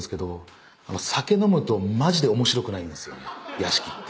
屋敷って。